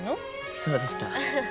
そうでした。